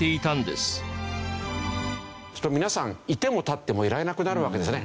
すると皆さんいても立ってもいられなくなるわけですね。